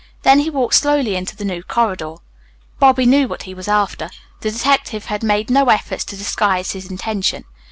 Then he walked slowly into the new corridor. Bobby knew what he was after. The detective had made no effort to disguise his intention.